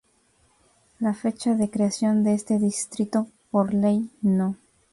La fecha de creación de este distrito por Ley No.